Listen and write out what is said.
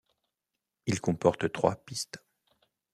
Il comporte trois pistes.